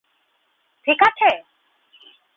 ঠিক আছে?